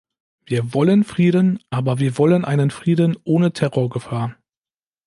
Wir wollen Frieden, aber wir wollen einen Frieden ohne Terrorgefahr.